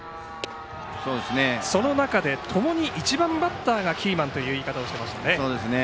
その中で、ともに１番バッターがキーマンという言い方をしていましたね。